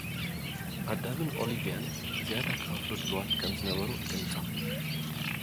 ኣዳምን ኦሊቪያን ዝያዳ ክኸፍሉ ድልዋት ከም ዝነበሩ ገሊጾም።